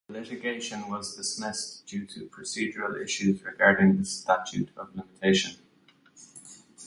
The litigation was dismissed due to procedural issues regarding the statute of limitations.